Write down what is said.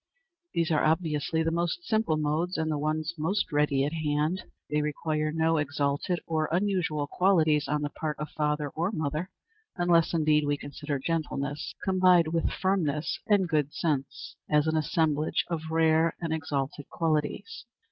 These are obviously the most simple modes, and the ones most ready at hand. They require no exalted or unusual qualities on the part of father or mother, unless, indeed, we consider gentleness, combined with firmness and good sense, as an assemblage of rare and exalted qualities.